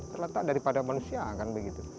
terletak daripada manusia kan begitu